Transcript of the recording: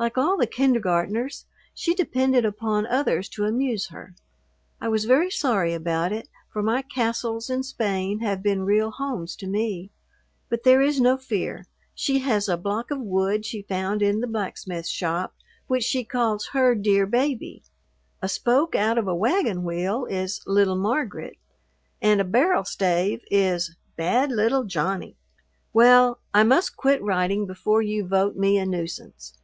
Like all the kindergartners, she depended upon others to amuse her. I was very sorry about it, for my castles in Spain have been real homes to me. But there is no fear. She has a block of wood she found in the blacksmith shop which she calls her "dear baby." A spoke out of a wagon wheel is "little Margaret," and a barrel stave is "bad little Johnny." Well, I must quit writing before you vote me a nuisance.